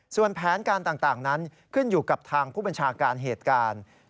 ส่วนแผนการต่างนั้นขึ้นอยู่กับทางผู้บัญชาการเหตุการณ์